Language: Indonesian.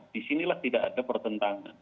disinilah tidak ada pertentangan